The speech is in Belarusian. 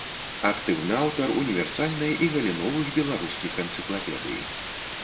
Актыўны аўтар універсальнай і галіновых беларускіх энцыклапедый.